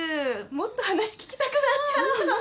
もっと話聞きたくなっちゃった。